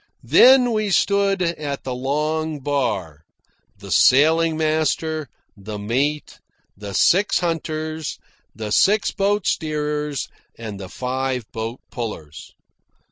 There we stood at the long bar the sailing master, the mate, the six hunters, the six boat steerers, and the five boat pullers.